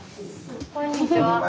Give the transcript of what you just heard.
こんにちは。